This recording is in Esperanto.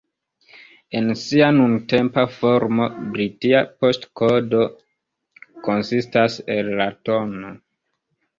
En sia nuntempa formo, britia poŝtkodo konsistas el la tn.